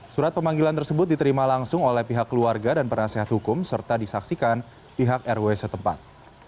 surat pemanggilan tersebut diterima langsung oleh pihak keluarga dan penasehat hukum serta disaksikan pihak rw setempat